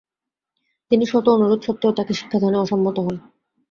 তিনি শত অনুরোধ সত্ত্বেও তাকে শিক্ষাদানে অসম্মত হন।